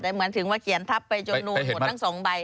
แต่เหมือนถึงว่าเขียนทับไปจนนูนหมดทั้งสองใบ